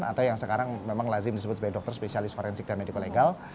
atau yang sekarang memang lazim disebut sebagai dokter spesialis forensik dan mediko legal